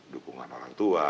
dukungan orang tua